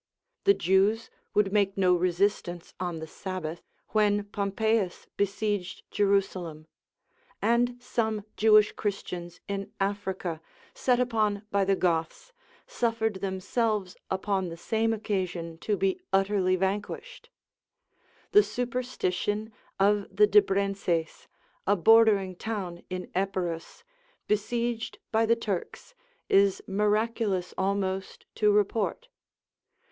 The Jews would make no resistance on the Sabbath, when Pompeius besieged Jerusalem; and some Jewish Christians in Africa, set upon by the Goths, suffered themselves upon the same occasion to be utterly vanquished. The superstition of the Dibrenses, a bordering town in Epirus, besieged by the Turks, is miraculous almost to report.